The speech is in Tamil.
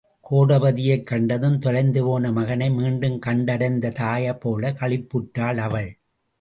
கோடபதியைக் கண்டதும், தொலைந்து போன மகனை மீண்டும் கண்டடைந்த தாய்போலக் களிப்புற்றாள் அவள்.